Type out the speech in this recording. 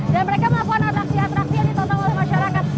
dan mereka melakukan atraksi atraksi yang ditonton oleh masyarakat